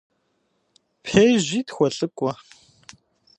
Пежьи тхуэлӏыкӏуэ.